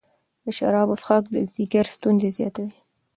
د شرابو څښاک د ځیګر ستونزې زیاتوي.